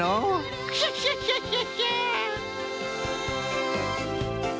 クシャシャシャシャ！